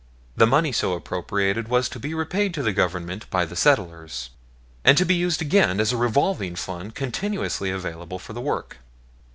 The money so appropriated was to be repaid to the Government by the settlers, and to be used again as a revolving fund continuously available for the work.